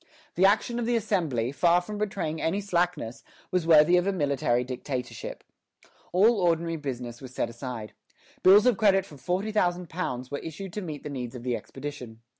The action of the Assembly, far from betraying any slackness, was worthy of a military dictatorship. All ordinary business was set aside. Bills of credit for £40,000 were issued to meet the needs of the expedition.